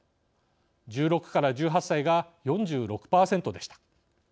１６１８歳が４６％でした。